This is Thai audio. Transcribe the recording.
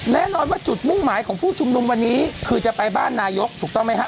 แน่นอนว่าจุดมุ่งหมายของผู้ชุมนุมวันนี้คือจะไปบ้านนายกถูกต้องไหมฮะ